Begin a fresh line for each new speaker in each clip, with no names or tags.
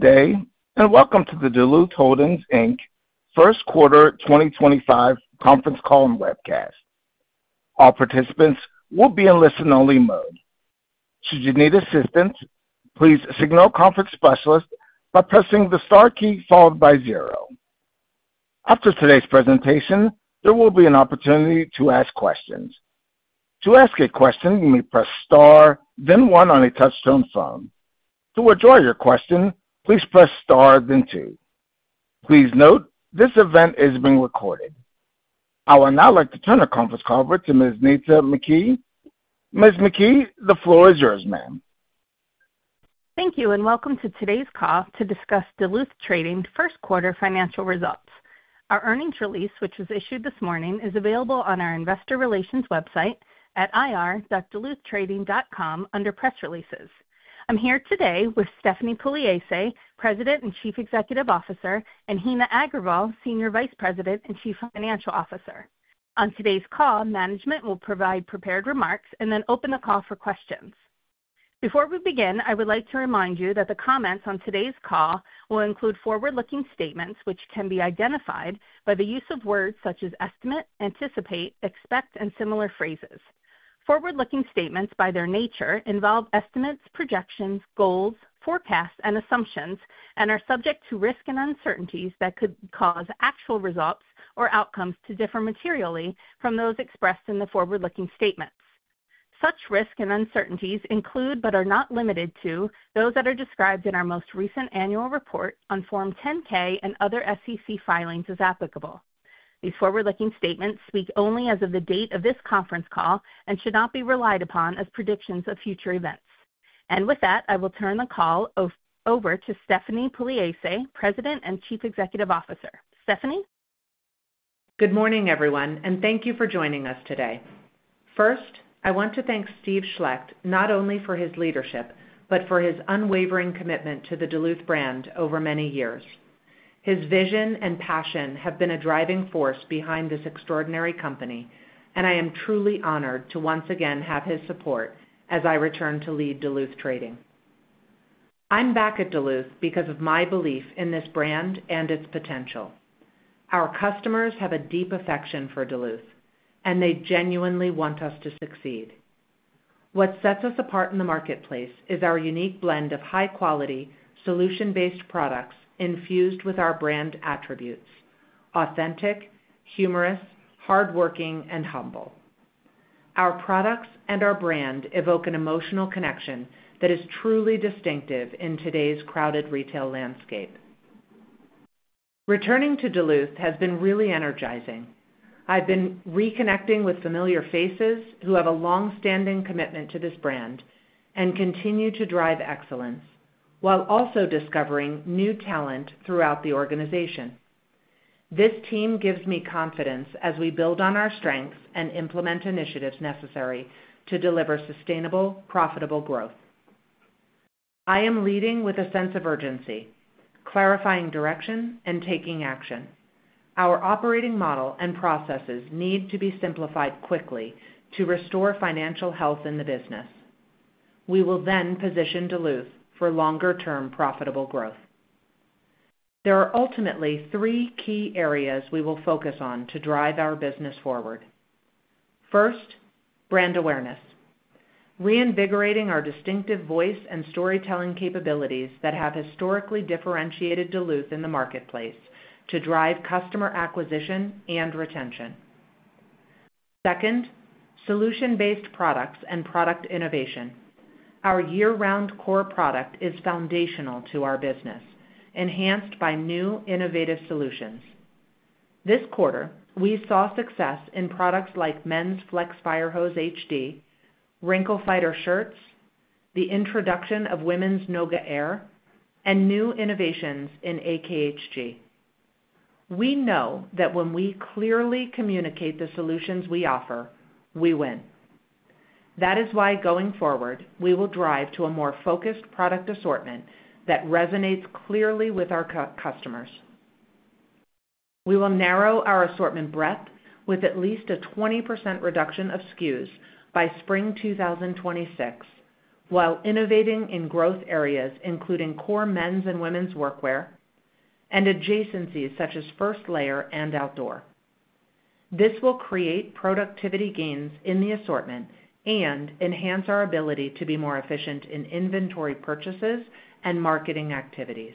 Today, and welcome to the Duluth Holdings Inc., First Quarter 2025 Conference Call and Webcast. All participants will be in listen-only mode. Should you need assistance, please signal Conference Specialist by pressing the star key followed by zero. After today's presentation, there will be an opportunity to ask questions. To ask a question, you may press star, then one on a touch-tone phone. To withdraw your question, please press star, then two. Please note this event is being recorded. I would now like to turn the conference call over to Ms. Nitza McKee. Ms. McKee, the floor is yours, ma'am.
Thank you, and welcome to today's call to discuss Duluth Trading's first quarter financial results. Our earnings release, which was issued this morning, is available on our investor relations website at ir.duluthtrading.com under press releases. I'm here today with Stephanie Pugliese, President and Chief Executive Officer, and Heena Agrawal, Senior Vice President and Chief Financial Officer. On today's call, management will provide prepared remarks and then open the call for questions. Before we begin, I would like to remind you that the comments on today's call will include forward-looking statements, which can be identified by the use of words such as estimate, anticipate, expect, and similar phrases. Forward-looking statements, by their nature, involve estimates, projections, goals, forecasts, and assumptions, and are subject to risk and uncertainties that could cause actual results or outcomes to differ materially from those expressed in the forward-looking statements. Such risk and uncertainties include, but are not limited to, those that are described in our most recent annual report on Form 10-K and other SEC filings as applicable. These forward-looking statements speak only as of the date of this conference call and should not be relied upon as predictions of future events. With that, I will turn the call over to Stephanie Pugliese, President and Chief Executive Officer. Stephanie?
Good morning, everyone, and thank you for joining us today. First, I want to thank Steve Schlecht not only for his leadership but for his unwavering commitment to the Duluth brand over many years. His vision and passion have been a driving force behind this extraordinary company, and I am truly honored to once again have his support as I return to lead Duluth Trading. I'm back at Duluth because of my belief in this brand and its potential. Our customers have a deep affection for Duluth, and they genuinely want us to succeed. What sets us apart in the marketplace is our unique blend of high-quality, solution-based products infused with our brand attributes: authentic, humorous, hardworking, and humble. Our products and our brand evoke an emotional connection that is truly distinctive in today's crowded retail landscape. Returning to Duluth has been really energizing. I've been reconnecting with familiar faces who have a long-standing commitment to this brand and continue to drive excellence while also discovering new talent throughout the organization. This team gives me confidence as we build on our strengths and implement initiatives necessary to deliver sustainable, profitable growth. I am leading with a sense of urgency, clarifying direction, and taking action. Our operating model and processes need to be simplified quickly to restore financial health in the business. We will then position Duluth for longer-term profitable growth. There are ultimately three key areas we will focus on to drive our business forward. First, brand awareness: reinvigorating our distinctive voice and storytelling capabilities that have historically differentiated Duluth in the marketplace to drive customer acquisition and retention. Second, solution-based products and product innovation. Our year-round core product is foundational to our business, enhanced by new innovative solutions. This quarter, we saw success in products like men's Flex Firehose HD, Wrinkle Fighter shirts, the introduction of women's Noga Air, and new innovations in AKHG. We know that when we clearly communicate the solutions we offer, we win. That is why, going forward, we will drive to a more focused product assortment that resonates clearly with our customers. We will narrow our assortment breadth with at least a 20% reduction of SKUs by spring 2026, while innovating in growth areas including core men's and women's workwear and adjacencies such as first layer and outdoor. This will create productivity gains in the assortment and enhance our ability to be more efficient in inventory purchases and marketing activities.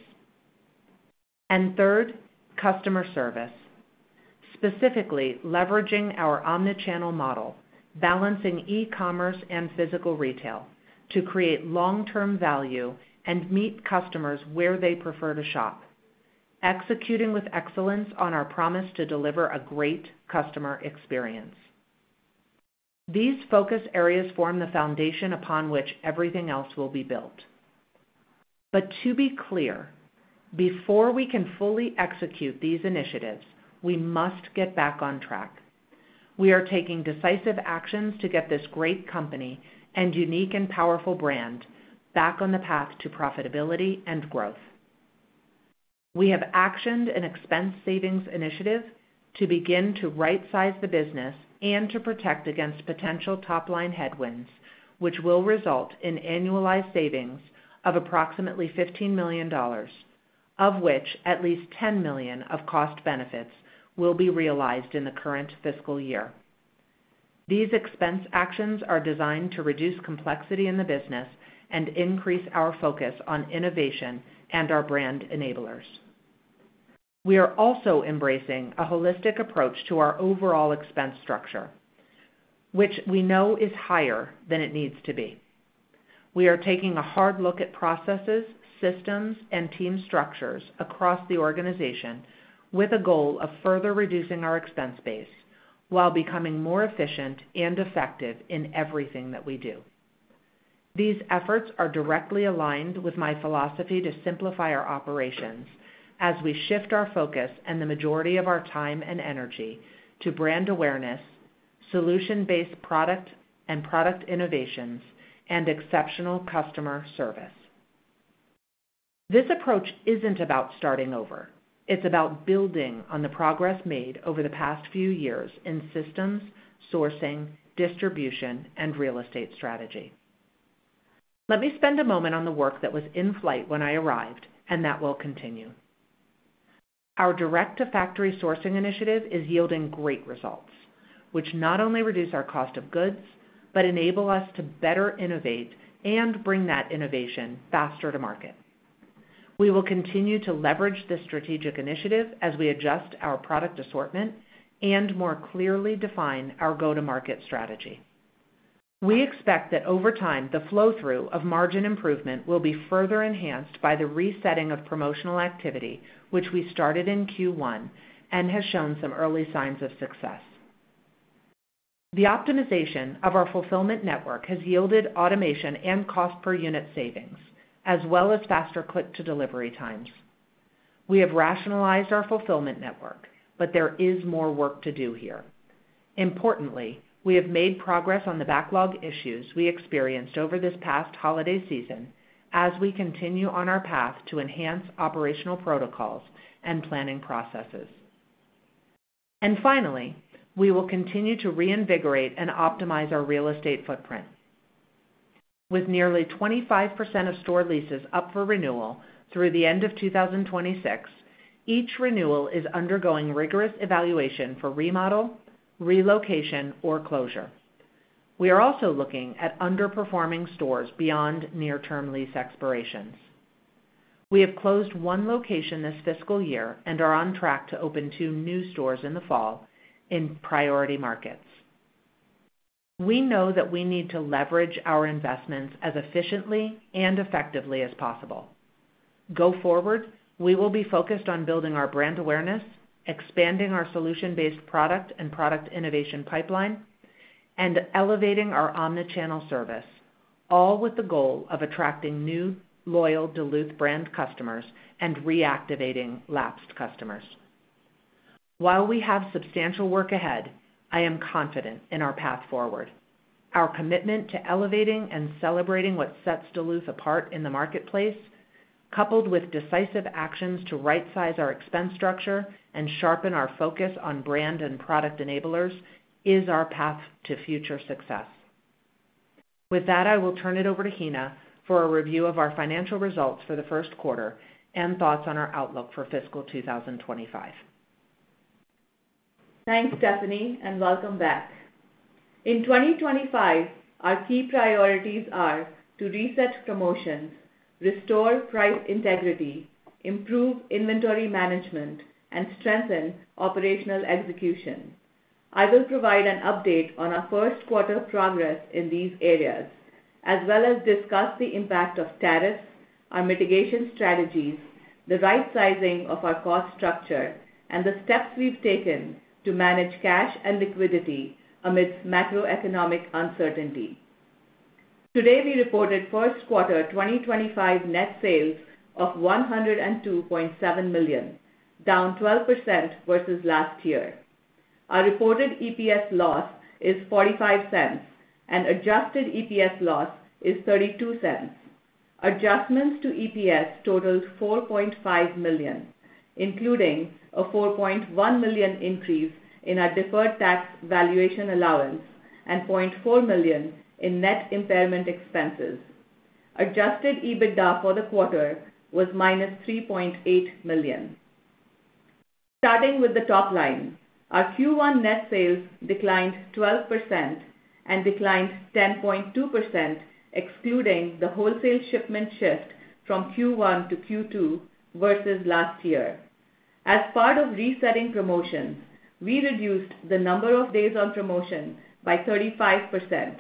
Third, customer service. Specifically, leveraging our omnichannel model, balancing e-commerce and physical retail to create long-term value and meet customers where they prefer to shop, executing with excellence on our promise to deliver a great customer experience. These focus areas form the foundation upon which everything else will be built. To be clear, before we can fully execute these initiatives, we must get back on track. We are taking decisive actions to get this great company and unique and powerful brand back on the path to profitability and growth. We have actioned an expense savings initiative to begin to right-size the business and to protect against potential top-line headwinds, which will result in annualized savings of approximately $15 million, of which at least $10 million of cost benefits will be realized in the current fiscal year. These expense actions are designed to reduce complexity in the business and increase our focus on innovation and our brand enablers. We are also embracing a holistic approach to our overall expense structure, which we know is higher than it needs to be. We are taking a hard look at processes, systems, and team structures across the organization with a goal of further reducing our expense base while becoming more efficient and effective in everything that we do. These efforts are directly aligned with my philosophy to simplify our operations as we shift our focus and the majority of our time and energy to brand awareness, solution-based product and product innovations, and exceptional customer service. This approach isn't about starting over. It's about building on the progress made over the past few years in systems, sourcing, distribution, and real estate strategy. Let me spend a moment on the work that was in flight when I arrived, and that will continue. Our direct-to-factory sourcing initiative is yielding great results, which not only reduce our cost of goods but enable us to better innovate and bring that innovation faster to market. We will continue to leverage this strategic initiative as we adjust our product assortment and more clearly define our go-to-market strategy. We expect that over time, the flow-through of margin improvement will be further enhanced by the resetting of promotional activity, which we started in Q1 and has shown some early signs of success. The optimization of our fulfillment network has yielded automation and cost-per-unit savings, as well as faster click-to-delivery times. We have rationalized our fulfillment network, but there is more work to do here. Importantly, we have made progress on the backlog issues we experienced over this past holiday season as we continue on our path to enhance operational protocols and planning processes. Finally, we will continue to reinvigorate and optimize our real estate footprint. With nearly 25% of store leases up for renewal through the end of 2026, each renewal is undergoing rigorous evaluation for remodel, relocation, or closure. We are also looking at underperforming stores beyond near-term lease expirations. We have closed one location this fiscal year and are on track to open two new stores in the fall in priority markets. We know that we need to leverage our investments as efficiently and effectively as possible. Go forward, we will be focused on building our brand awareness, expanding our solution-based product and product innovation pipeline, and elevating our omnichannel service, all with the goal of attracting new, loyal Duluth brand customers and reactivating lapsed customers. While we have substantial work ahead, I am confident in our path forward. Our commitment to elevating and celebrating what sets Duluth apart in the marketplace, coupled with decisive actions to right-size our expense structure and sharpen our focus on brand and product enablers, is our path to future success. With that, I will turn it over to Heena for a review of our financial results for the first quarter and thoughts on our outlook for fiscal 2025.
Thanks, Stephanie, and welcome back. In 2025, our key priorities are to reset promotions, restore price integrity, improve inventory management, and strengthen operational execution. I will provide an update on our first quarter progress in these areas, as well as discuss the impact of tariffs, our mitigation strategies, the right-sizing of our cost structure, and the steps we've taken to manage cash and liquidity amidst macroeconomic uncertainty. Today, we reported first quarter 2025 net sales of $102.7 million, down 12% versus last year. Our reported EPS loss is $0.45, and adjusted EPS loss is $0.32. Adjustments to EPS totaled $4.5 million, including a $4.1 million increase in our deferred tax valuation allowance and $0.4 million in net impairment expenses. Adjusted EBITDA for the quarter was minus $3.8 million. Starting with the top line, our Q1 net sales declined 12% and declined 10.2%, excluding the wholesale shipment shift from Q1 to Q2 versus last year. As part of resetting promotions, we reduced the number of days on promotion by 35%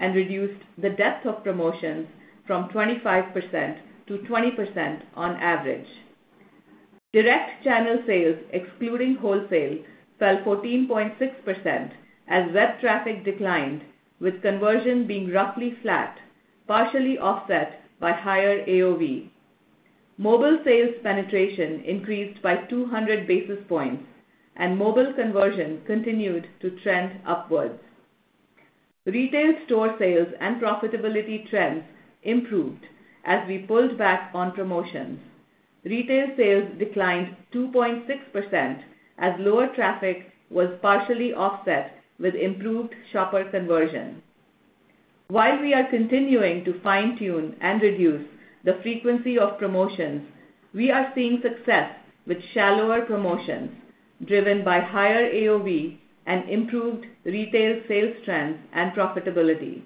and reduced the depth of promotions from 25% to 20% on average. Direct channel sales, excluding wholesale, fell 14.6% as web traffic declined, with conversion being roughly flat, partially offset by higher AOV. Mobile sales penetration increased by 200 basis points, and mobile conversion continued to trend upwards. Retail store sales and profitability trends improved as we pulled back on promotions. Retail sales declined 2.6% as lower traffic was partially offset with improved shopper conversion. While we are continuing to fine-tune and reduce the frequency of promotions, we are seeing success with shallower promotions driven by higher AOV and improved retail sales trends and profitability.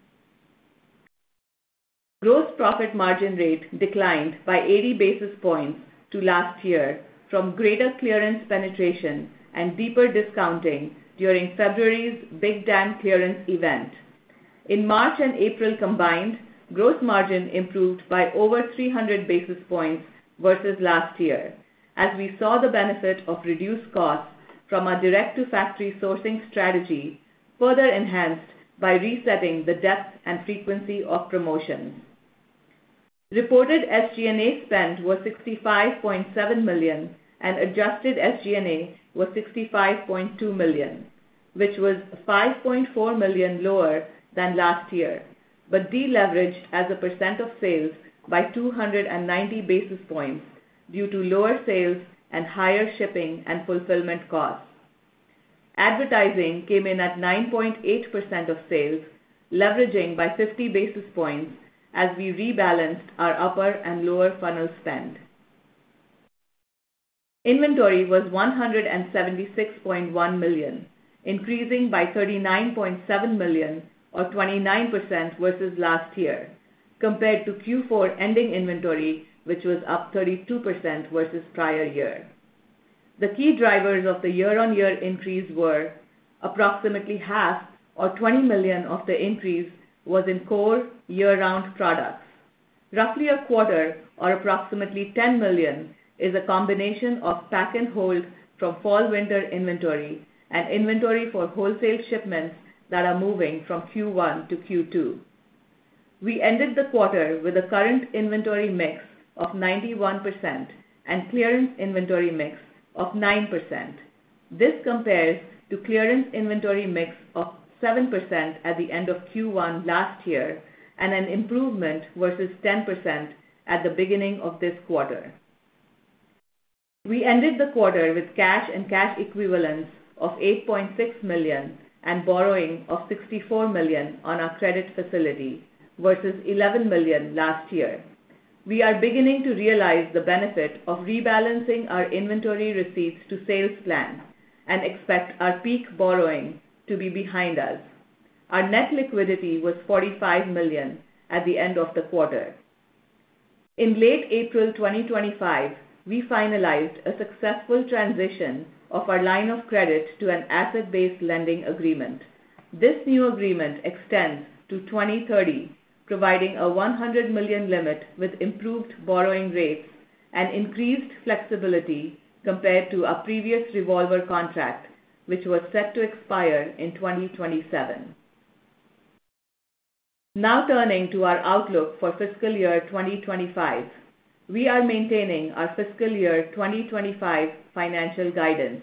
Gross profit margin rate declined by 80 basis points to last year from greater clearance penetration and deeper discounting during February's Big Dan clearance event. In March and April combined, gross margin improved by over 300 basis points versus last year, as we saw the benefit of reduced costs from our direct-to-factory sourcing strategy, further enhanced by resetting the depth and frequency of promotions. Reported SG&A spend was $65.7 million, and adjusted SG&A was $65.2 million, which was $5.4 million lower than last year, but deleveraged as a percent of sales by 290 basis points due to lower sales and higher shipping and fulfillment costs. Advertising came in at 9.8% of sales, leveraging by 50 basis points as we rebalanced our upper and lower funnel spend. Inventory was $176.1 million, increasing by $39.7 million, or 29% versus last year, compared to Q4 ending inventory, which was up 32% versus prior year. The key drivers of the year-on-year increase were approximately half, or $20 million, of the increase was in core year-round products. Roughly a quarter, or approximately $10 million, is a combination of pack-and-hold from fall/winter inventory and inventory for wholesale shipments that are moving from Q1 to Q2. We ended the quarter with a current inventory mix of 91% and clearance inventory mix of 9%. This compares to clearance inventory mix of 7% at the end of Q1 last year and an improvement versus 10% at the beginning of this quarter. We ended the quarter with cash and cash equivalents of $8.6 million and borrowing of $64 million on our credit facility versus $11 million last year. We are beginning to realize the benefit of rebalancing our inventory receipts to sales plan and expect our peak borrowing to be behind us. Our net liquidity was $45 million at the end of the quarter. In late April 2025, we finalized a successful transition of our line of credit to an asset-based lending agreement. This new agreement extends to 2030, providing a $100 million limit with improved borrowing rates and increased flexibility compared to our previous revolver contract, which was set to expire in 2027. Now turning to our outlook for fiscal year 2025, we are maintaining our fiscal year 2025 financial guidance.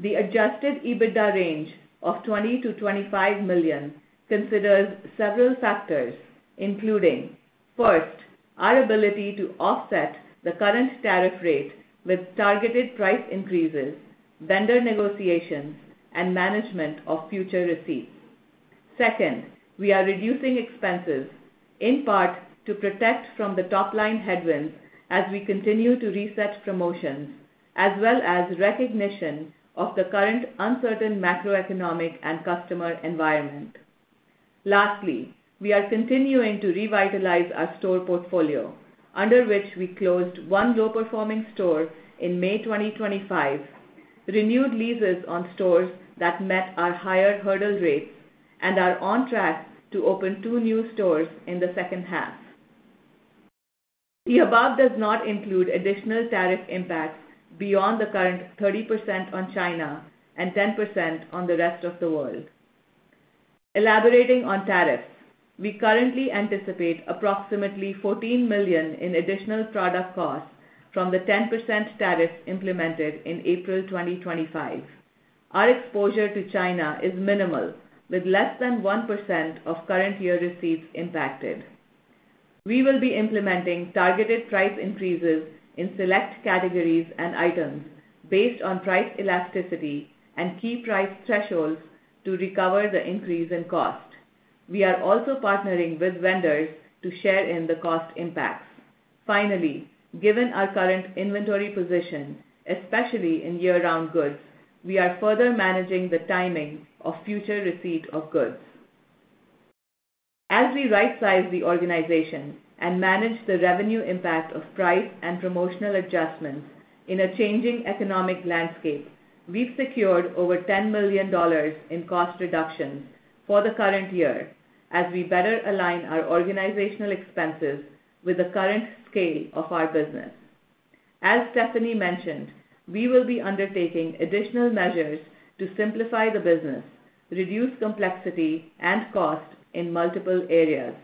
The adjusted EBITDA range of $20-$25 million considers several factors, including: first, our ability to offset the current tariff rate with targeted price increases, vendor negotiations, and management of future receipts. Second, we are reducing expenses, in part to protect from the top-line headwinds as we continue to reset promotions, as well as recognition of the current uncertain macroeconomic and customer environment. Lastly, we are continuing to revitalize our store portfolio, under which we closed one low-performing store in May 2025, renewed leases on stores that met our higher hurdle rates, and are on track to open two new stores in the second half. The above does not include additional tariff impacts beyond the current 30% on China and 10% on the rest of the world. Elaborating on tariffs, we currently anticipate approximately $14 million in additional product costs from the 10% tariff implemented in April 2025. Our exposure to China is minimal, with less than 1% of current year receipts impacted. We will be implementing targeted price increases in select categories and items based on price elasticity and key price thresholds to recover the increase in cost. We are also partnering with vendors to share in the cost impacts. Finally, given our current inventory position, especially in year-round goods, we are further managing the timing of future receipt of goods. As we right-size the organization and manage the revenue impact of price and promotional adjustments in a changing economic landscape, we've secured over $10 million in cost reductions for the current year as we better align our organizational expenses with the current scale of our business. As Stephanie mentioned, we will be undertaking additional measures to simplify the business, reduce complexity, and cost in multiple areas.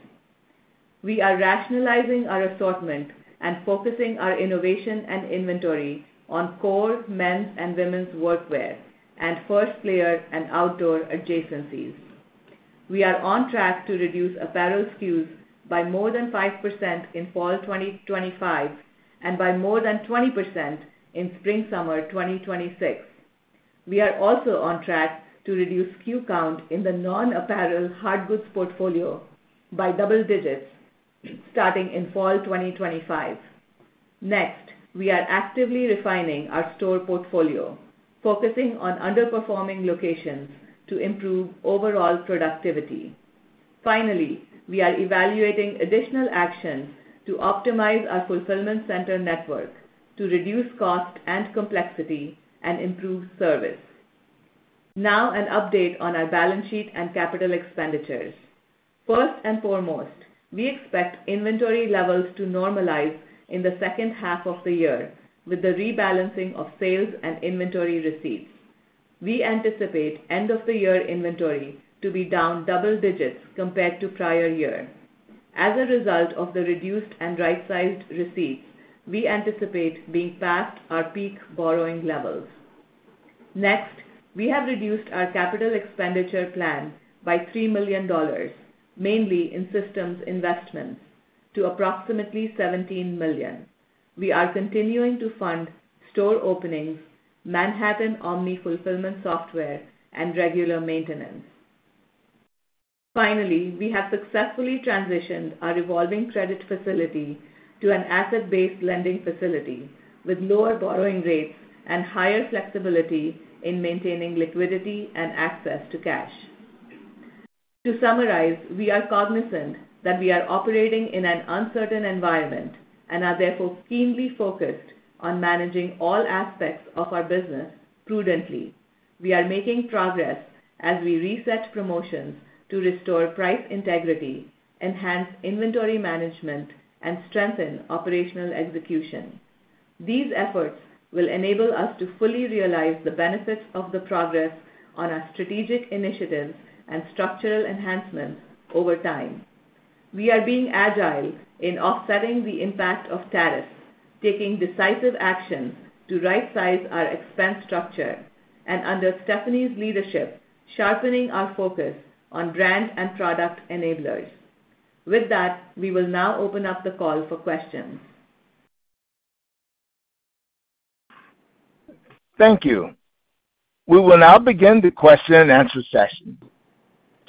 We are rationalizing our assortment and focusing our innovation and inventory on core men's and women's workwear and first layer and outdoor adjacencies. We are on track to reduce apparel SKUs by more than 5% in fall 2025 and by more than 20% in spring/summer 2026. We are also on track to reduce SKU count in the non-apparel hard goods portfolio by double digits starting in fall 2025. Next, we are actively refining our store portfolio, focusing on underperforming locations to improve overall productivity. Finally, we are evaluating additional actions to optimize our fulfillment center network to reduce cost and complexity and improve service. Now, an update on our balance sheet and capital expenditures. First and foremost, we expect inventory levels to normalize in the second half of the year with the rebalancing of sales and inventory receipts. We anticipate end-of-the-year inventory to be down double digits compared to prior year. As a result of the reduced and right-sized receipts, we anticipate being past our peak borrowing levels. Next, we have reduced our capital expenditure plan by $3 million, mainly in systems investments, to approximately $17 million. We are continuing to fund store openings, Manhattan Omni fulfillment software, and regular maintenance. Finally, we have successfully transitioned our revolving credit facility to an asset-based lending facility with lower borrowing rates and higher flexibility in maintaining liquidity and access to cash. To summarize, we are cognizant that we are operating in an uncertain environment and are therefore keenly focused on managing all aspects of our business prudently. We are making progress as we reset promotions to restore price integrity, enhance inventory management, and strengthen operational execution. These efforts will enable us to fully realize the benefits of the progress on our strategic initiatives and structural enhancements over time. We are being agile in offsetting the impact of tariffs, taking decisive actions to right-size our expense structure, and under Stephanie's leadership, sharpening our focus on brand and product enablers. With that, we will now open up the call for questions.
Thank you. We will now begin the question and answer session.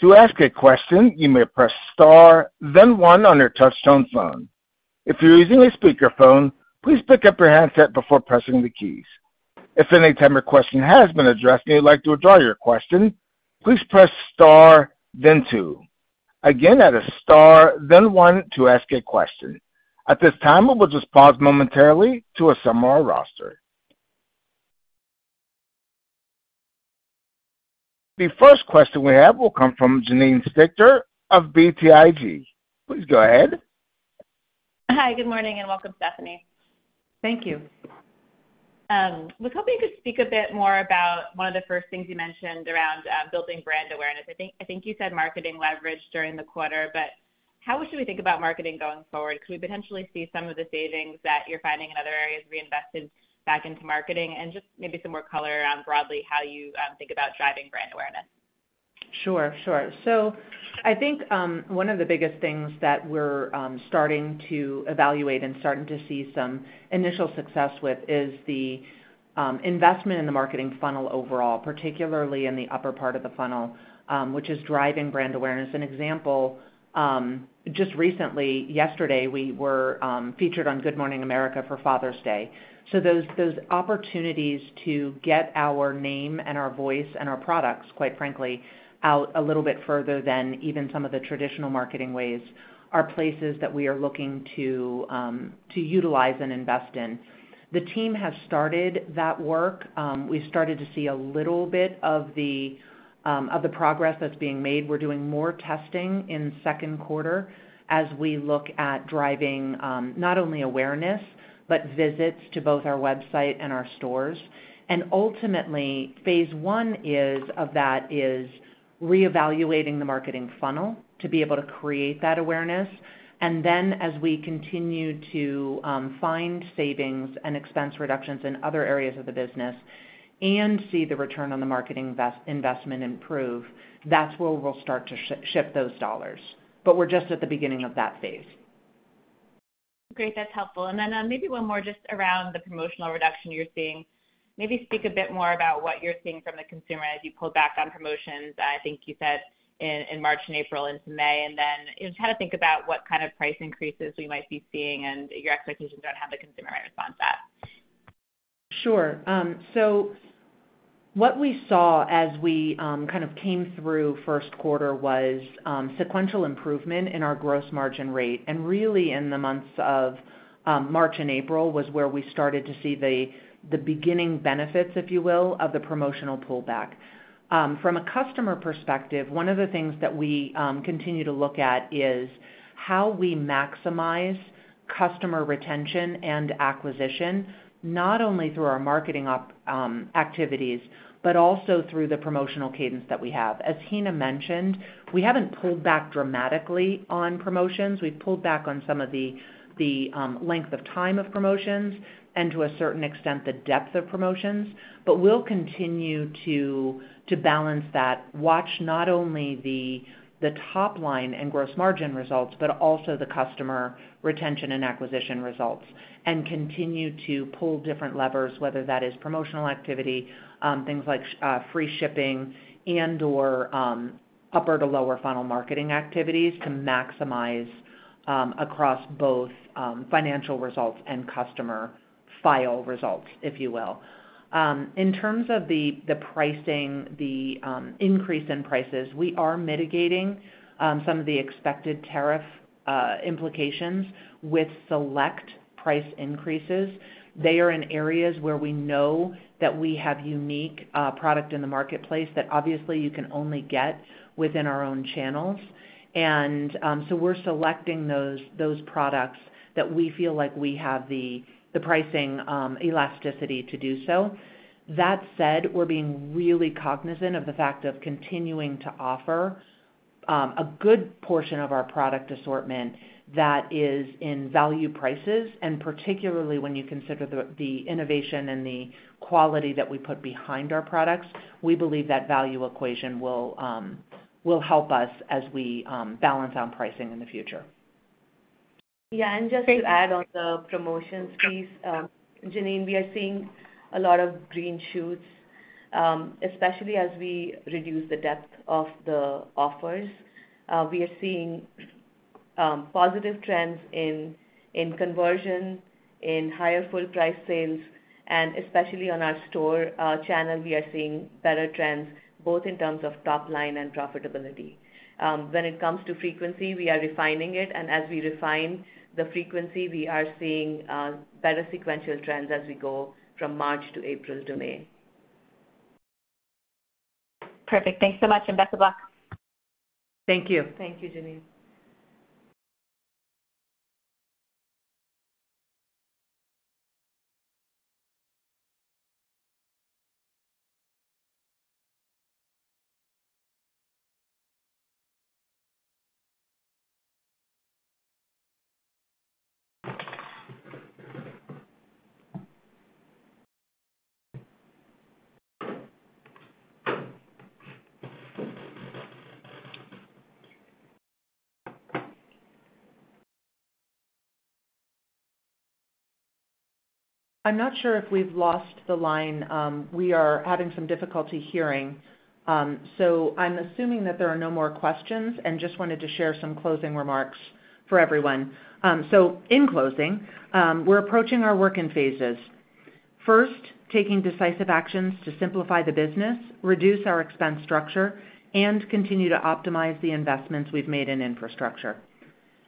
To ask a question, you may press star, then one on your touch-tone phone. If you're using a speakerphone, please pick up your handset before pressing the keys. If at any time your question has been addressed and you'd like to withdraw your question, please press star, then two. Again, press star, then one to ask a question. At this time, we'll just pause momentarily to summarize our roster. The first question we have will come from Janine Stichter of BTIG. Please go ahead.
Hi, good morning, and welcome, Stephanie.
Thank you.
I was hoping you could speak a bit more about one of the first things you mentioned around building brand awareness. I think you said marketing leveraged during the quarter, but how should we think about marketing going forward? Could we potentially see some of the savings that you're finding in other areas reinvested back into marketing? Just maybe some more color around broadly how you think about driving brand awareness.
Sure, sure. I think one of the biggest things that we're starting to evaluate and starting to see some initial success with is the investment in the marketing funnel overall, particularly in the upper part of the funnel, which is driving brand awareness. An example, just recently, yesterday, we were featured on Good Morning America for Father's Day. Those opportunities to get our name and our voice and our products, quite frankly, out a little bit further than even some of the traditional marketing ways are places that we are looking to utilize and invest in. The team has started that work. We've started to see a little bit of the progress that's being made. We're doing more testing in second quarter as we look at driving not only awareness, but visits to both our website and our stores. Ultimately, phase one of that is reevaluating the marketing funnel to be able to create that awareness. Then as we continue to find savings and expense reductions in other areas of the business and see the return on the marketing investment improve, that's where we'll start to shift those dollars. We're just at the beginning of that phase.
Great. That's helpful. Maybe one more just around the promotional reduction you're seeing. Maybe speak a bit more about what you're seeing from the consumer as you pull back on promotions. I think you said in March and April into May. Kind of think about what kind of price increases we might be seeing and your expectations on how the consumer might respond to that.
Sure. What we saw as we kind of came through first quarter was sequential improvement in our gross margin rate. In the months of March and April was where we started to see the beginning benefits, if you will, of the promotional pullback. From a customer perspective, one of the things that we continue to look at is how we maximize customer retention and acquisition, not only through our marketing activities, but also through the promotional cadence that we have. As Heena mentioned, we have not pulled back dramatically on promotions. We have pulled back on some of the length of time of promotions and, to a certain extent, the depth of promotions. We will continue to balance that, watch not only the top-line and gross margin results, but also the customer retention and acquisition results, and continue to pull different levers, whether that is promotional activity, things like free shipping, and/or upper to lower funnel marketing activities to maximize across both financial results and customer file results, if you will. In terms of the pricing, the increase in prices, we are mitigating some of the expected tariff implications with select price increases. They are in areas where we know that we have unique product in the marketplace that obviously you can only get within our own channels. We are selecting those products that we feel like we have the pricing elasticity to do so. That said, we are being really cognizant of the fact of continuing to offer a good portion of our product assortment that is in value prices. Particularly when you consider the innovation and the quality that we put behind our products, we believe that value equation will help us as we balance out pricing in the future.
Yeah. Just to add on the promotions piece, Janine, we are seeing a lot of green shoots, especially as we reduce the depth of the offers. We are seeing positive trends in conversion, in higher full-price sales. Especially on our store channel, we are seeing better trends, both in terms of top-line and profitability. When it comes to frequency, we are refining it. As we refine the frequency, we are seeing better sequential trends as we go from March to April to May.
Perfect. Thanks so much. And best of luck.
Thank you.
Thank you, Janine.
I'm not sure if we've lost the line. We are having some difficulty hearing. I'm assuming that there are no more questions and just wanted to share some closing remarks for everyone. In closing, we're approaching our work in phases. First, taking decisive actions to simplify the business, reduce our expense structure, and continue to optimize the investments we've made in infrastructure.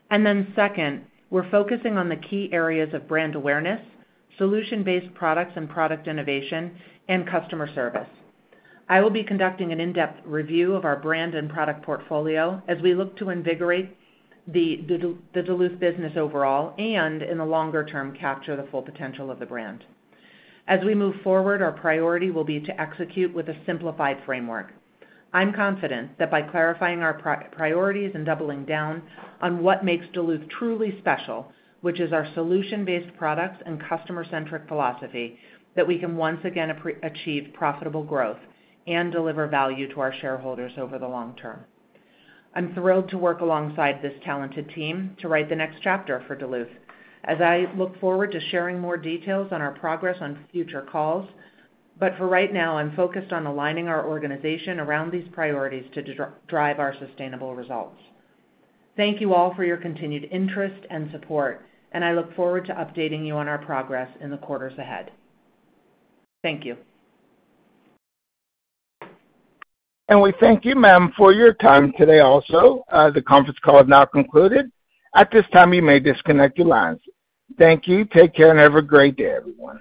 Second, we're focusing on the key areas of brand awareness, solution-based products and product innovation, and customer service. I will be conducting an in-depth review of our brand and product portfolio as we look to invigorate the Duluth business overall and, in the longer term, capture the full potential of the brand. As we move forward, our priority will be to execute with a simplified framework. I'm confident that by clarifying our priorities and doubling down on what makes Duluth truly special, which is our solution-based products and customer-centric philosophy, that we can once again achieve profitable growth and deliver value to our shareholders over the long term. I'm thrilled to work alongside this talented team to write the next chapter for Duluth as I look forward to sharing more details on our progress on future calls. For right now, I'm focused on aligning our organization around these priorities to drive our sustainable results. Thank you all for your continued interest and support, and I look forward to updating you on our progress in the quarters ahead. Thank you.
We thank you, ma'am, for your time today also. The conference call is now concluded. At this time, you may disconnect your lines. Thank you. Take care and have a great day, everyone.